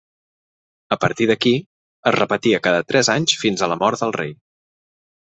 A partir d'aquí, es repetia cada tres anys fins a la mort del rei.